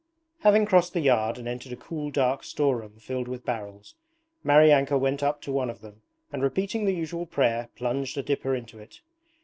Having crossed the yard and entered a cool dark storeroom filled with barrels, Maryanka went up to one of them and repeating the usual prayer plunged a dipper into it.